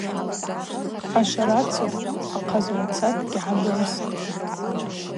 Ашварацыгӏв ахъазгӏваца дгьгӏабымстӏ.